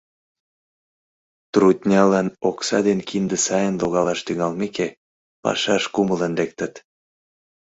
Труднялан окса ден кинде сайын логалаш тӱҥалмеке, пашаш кумылын лектыт.